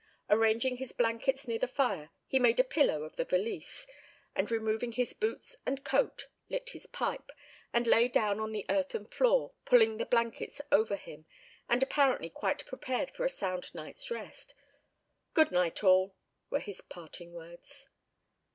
Arranging his blankets near the fire, he made a pillow of the valise, and removing his boots and coat, lit his pipe, and lay down on the earthen floor, pulling the blankets over him, and apparently quite prepared for a sound night's rest. "Good night all!" were his parting words.